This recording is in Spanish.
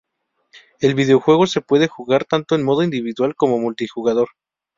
El videojuego se puede jugar tanto en modo individual como multijugador.